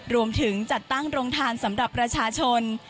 รวมถึงจัดตั้งโรงทานสำหรับประชาชน